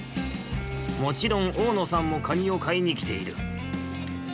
もちろん大野さんもカニをかいにきている。